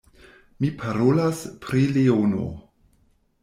Mi parolas pri leono.